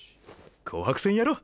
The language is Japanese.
紅白戦やろ！